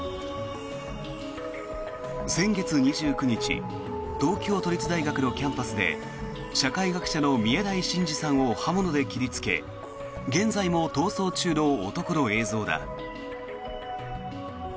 先月２９日東京都立大学のキャンパスで社会学者の宮台真司さんを刃物で切りつけ現在も逃走中の男の映像だ。